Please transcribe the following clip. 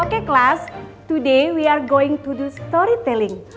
oke kelas hari ini kita akan bercerita tentang